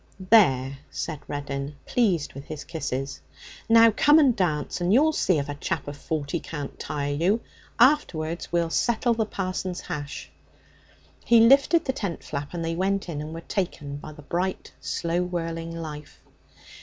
'There' said Reddin, pleased with his kisses. 'Now come and dance, and you'll see if a chap of forty can't tire you. Afterwards we'll settle the parson's hash.' He lifted the tent flap, and they went in and were taken by the bright, slow whirling life.